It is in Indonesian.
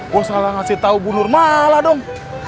gua salah ngasih tau bu nurmala dong